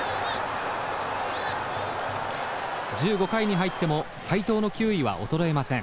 １５回に入っても斎藤の球威は衰えません。